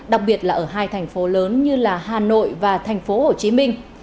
đặc biệt là ở hai thành phố lớn như hà nội và thành phố hồ chí minh